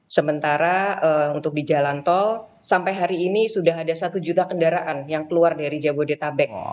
sementara untuk di jalan tol sampai hari ini sudah ada satu juta kendaraan yang keluar dari jabodetabek